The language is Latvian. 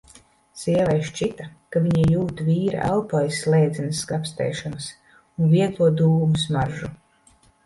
Sievai šķita, ka viņa jūt vīra elpu aiz slēdzenes skrapstēšanas un vieglo dūmu smaržu.